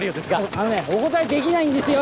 あのねお答えできないんですよ。